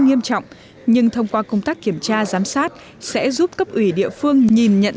nghiêm trọng nhưng thông qua công tác kiểm tra giám sát sẽ giúp cấp ủy địa phương nhìn nhận